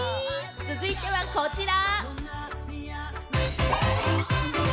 続いてはこちら。